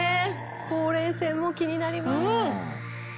ほうれい線も気になります。